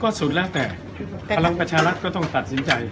สุดแล้วแต่พลังประชารัฐก็ต้องตัดสินใจ